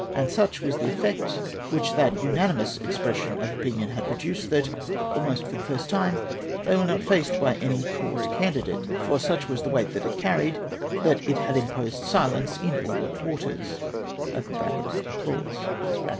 And such was the effect which that unanimous expression of opinion had produced, that, almost for the first time, they were not faced by any Court candidate ; for such was the weight that it carried, that it had imposed silence in all quarters.